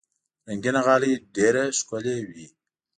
رنګینه غالۍ ډېر ښکلي وي.